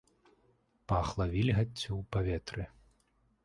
Пахла вільгаццю ў паветры.